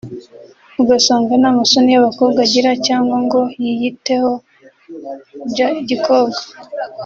ugasanga nta masoni y’abakobwa agira cyangwa ngo yiyiteho bya gikobwa